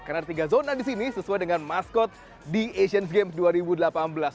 karena ada tiga zona di sini sesuai dengan maskot di asian games dua ribu delapan belas